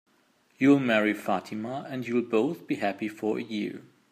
You'll marry Fatima, and you'll both be happy for a year.